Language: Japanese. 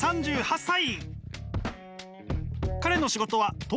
３８歳。